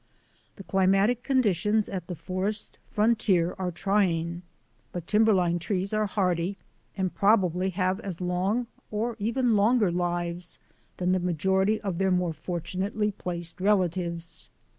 The climatic conditions at the forest frontier are trying, but timberline trees are hardy and prob ably have as long or even longer lives than the majority of their more fortunately placed relatives.